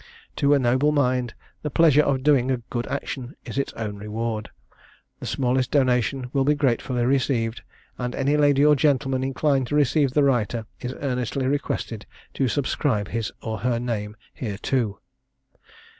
To a noble mind, the pleasure of doing a good action is its own reward. The smallest donation will be gratefully received, and any lady or gentleman inclined to relieve the writer is earnestly requested to subscribe his or her name hereto.'